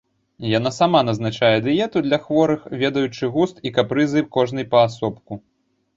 Яна сама назначае дыету для хворых, ведаючы густ і капрызы кожнай паасобку.